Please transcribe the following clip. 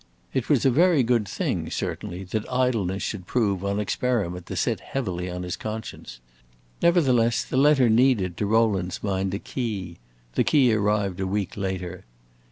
It was a very good thing, certainly, that idleness should prove, on experiment, to sit heavily on his conscience. Nevertheless, the letter needed, to Rowland's mind, a key: the key arrived a week later.